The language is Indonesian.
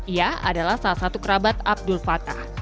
ia adalah salah satu kerabat abdul fatah